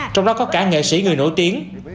trong đó có cả nghệ sĩ người nổi tiếng